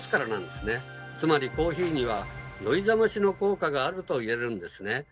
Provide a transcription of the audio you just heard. つまりコーヒーには酔いざましの効果があると言えるんですね。